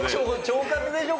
腸活でしょ？